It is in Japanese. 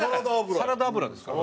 サラダ油ですから。